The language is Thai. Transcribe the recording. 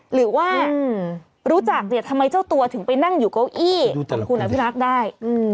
หรือว่ารู้จักเนี่ยทำไมเจ้าตัวถึงไปนั่งอยู่เก้าอี้คุณอภิรักษ์ได้